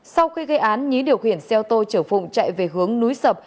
sau khi gây án nhí điều khiển xe ô tô chở phụng chạy về hướng núi sập